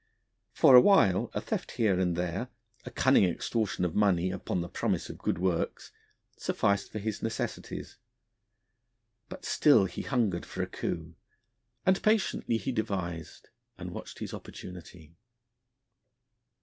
For a while a theft here and there, a cunning extortion of money upon the promise of good works, sufficed for his necessities, but still he hungered for a coup, and patiently he devised and watched his opportunity.